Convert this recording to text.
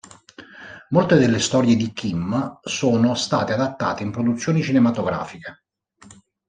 Molte delle storie di Kim sono state adattate in produzioni cinematografiche.